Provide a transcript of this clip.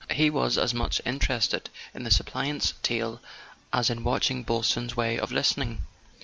He was as much interested in the suppliant's tale as in watching Boylston's way of listening.